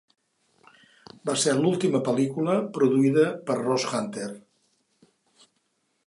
Va ser l'última pel·lícula produïda per Ross Hunter.